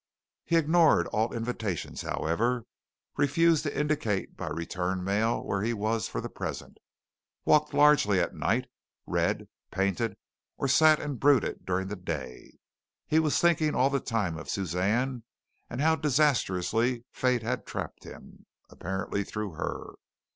He ignored all invitations, however; refused to indicate by return mail where he was for the present; walked largely at night; read, painted, or sat and brooded during the day. He was thinking all the time of Suzanne and how disastrously fate had trapped him apparently through her.